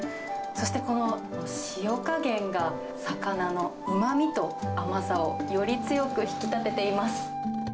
そして、この塩加減が魚のうまみと甘さを、より強く引き立てています。